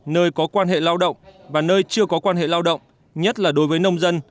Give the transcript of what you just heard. nơi có quan hệ lao động và nơi chưa có quan hệ lao động nhất là đối với nông dân